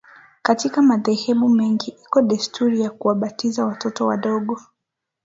Katika madhehebu mengi iko desturi ya kuwabatiza watoto wadogo